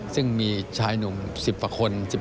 ซึ่งมีชายหนุ่ม๑๐กว่าคน